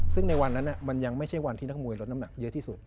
ซึ่งในวันนั้นมันยังไม่ใช่วันที่นักมวยลดน้ำหนักเยอะที่สุด